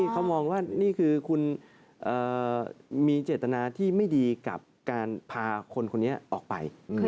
เขามองว่านี่คือคุณมีเจตนาที่ไม่ดีกับการพาคนคนนี้ออกไป